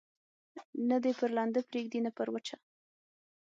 نه دي پر لنده پرېږدي، نه پر وچه.